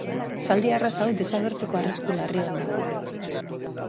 Zaldi arraza hau desagertzeko arrisku larrian dago.